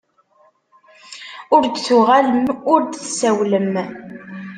Ur d-tuɣalem ur d-tsawlem.